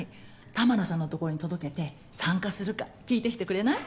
玉名さんのところに届けて参加するか聞いてきてくれない？